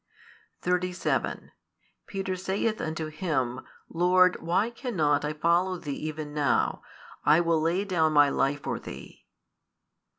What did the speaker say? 37 Peter saith unto Him, Lord, why cannot I follow Thee even now? I will lay down my life for Thee.